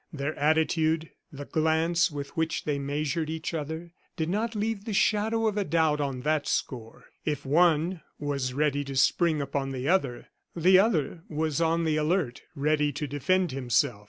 Their attitude, the glance with which they measured each other, did not leave the shadow of a doubt on that score. If one was ready to spring upon the other, the other was on the alert, ready to defend himself.